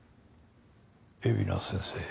海老名先生。